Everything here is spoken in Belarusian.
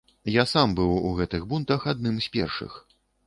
Я сам быў у гэтых бунтах адным з першых.